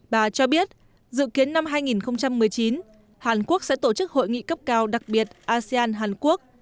bà cho biết dự kiến năm hai nghìn một mươi chín hàn quốc sẽ tổ chức hội nghị cấp cao đặc biệt asean hàn quốc